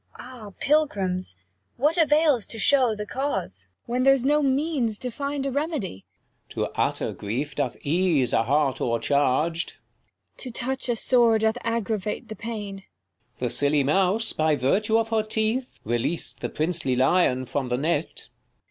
Cor. Ah pilgrims, what avails to shew the cause, 55 When there's no means to find a remedy ? King. To utter grief doth ease a heart o'ercharg'd. Sc. iv] HIS THREE DAUGHTERS 27 Cor. To touch a sore, doth aggravate the pain. King. The silly mouse, by virtue of her teeth, Releas'd the princely lion from the net.